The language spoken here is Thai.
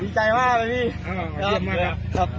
ดีใจมากพี่